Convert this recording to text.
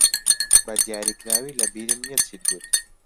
بەدیاریکراوی لەبیرم نییە چیت گوت.